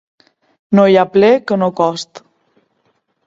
No hi ha pler que no cost.